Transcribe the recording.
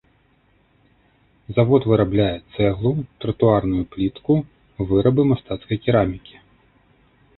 Завод вырабляе цэглу, тратуарную плітку, вырабы мастацкай керамікі.